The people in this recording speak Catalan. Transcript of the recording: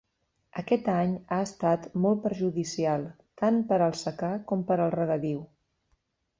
Aquest any ha estat molt perjudicial, tant per al secà com per al regadiu.